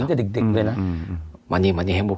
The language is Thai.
พูดภาษาเกาหลีด้วยใช่เลย